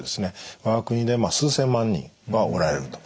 我が国でまあ数千万人はおられると思います。